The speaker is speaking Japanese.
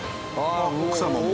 奥様も。